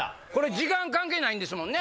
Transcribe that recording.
時間関係ないんですもんね。